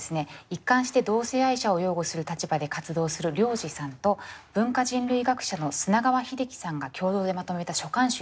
一貫して同性愛者を擁護する立場で活動するＲＹＯＪＩさんと文化人類学者の砂川秀樹さんが共同でまとめた書簡集なんですね。